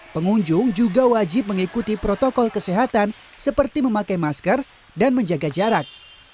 pengunjung juga wajib mengikuti protokol kesehatan seperti memakai masker dan menjaga jarak